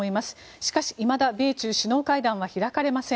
しかし、いまだ米中首脳会談は開かれません。